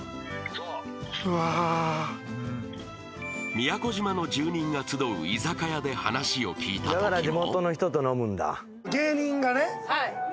［宮古島の住人が集う居酒屋で話を聞いたときも］